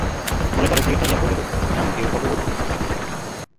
পরে দলের দিকে চাহিয়া বলিল, সোনামুখীর কতগুলো আম কুড়িয়েচে দেখেছিস টুনু?